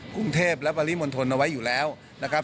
กรุงเทพและปริมณฑลเอาไว้อยู่แล้วนะครับ